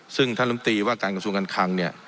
ซึ่งท่านลำตีว่าการกระทรวงการคังเนี่ย